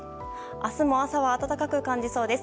明日も朝は暖かく感じそうです。